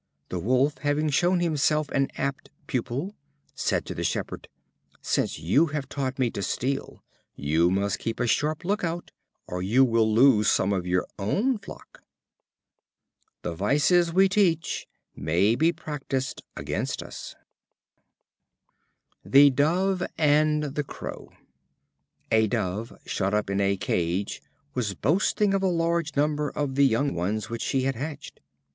The Wolf, having shown himself an apt pupil, said to the Shepherd: "Since you have taught me to steal, you must keep a sharp look out, or you will lose some of your own flock." The vices we teach may be practiced against us. [Transcriber's note B: Original had "Sheperd".] The Dove and the Crow. A Dove shut up in a cage was boasting of the large number of the young ones which she had hatched.